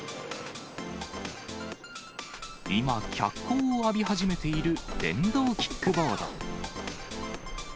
今、脚光を浴び始めている電動キックボード。